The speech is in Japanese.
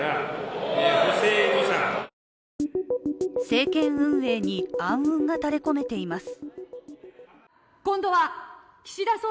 政権運営に、暗雲が垂れこめています。